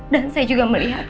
dan saya juga melihat